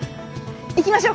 行きましょ！